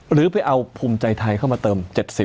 หรือไปเอาภูมิใจไทยเข้ามาเติม๗๐